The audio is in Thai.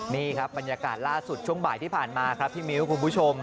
นี่ครับบรรยากาศล่าสุดช่วงบ่ายที่ผ่านมาครับพี่มิ้วคุณผู้ชม